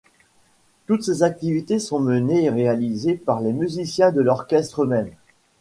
Toutes ces activités sont menées et réalisées par les musiciens de l’orchestre eux-mêmes.